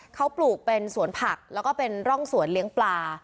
เขาปลูกเป็นสวนผักแล้วก็เป็นร่องสวนเลี้ยงปลา